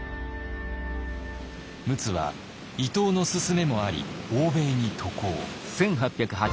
陸奥は伊藤の勧めもあり欧米に渡航。